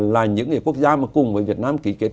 là những quốc gia mà cùng với việt nam